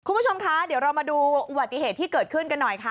คุณผู้ชมคะเดี๋ยวเรามาดูอุบัติเหตุที่เกิดขึ้นกันหน่อยค่ะ